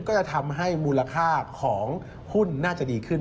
ก็จะทำให้มูลค่าของหุ้นน่าจะดีขึ้น